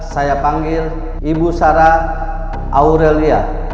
saya panggil ibu sarah aurelia